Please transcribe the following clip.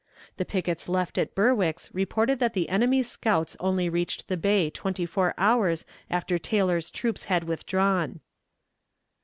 The pickets left at Berwick's reported that the enemy's scouts only reached the bay twenty four hours after Taylor's troops had withdrawn.